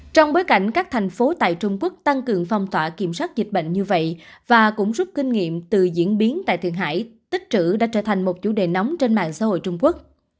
trong bối cảnh các thành phố tại trung quốc tăng cường phòng tỏa kiểm soát dịch bệnh như vậy và cũng rút kinh nghiệm từ diễn biến tại thượng hải tích trữ đã trở thành một chủ đề nóng trên mạng xã hội trung quốc